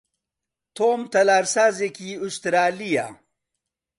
تۆم تەلارسازێکی ئوسترالییە.